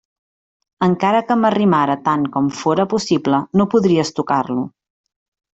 Encara que m'arrimara tant com fóra possible, no podries tocar-lo.